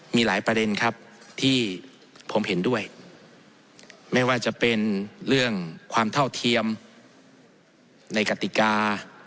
มีหลายประเด็นครับที่ผมเห็นด้วยไม่ว่าจะเป็นเรื่องความเท่าเทียมในกติกา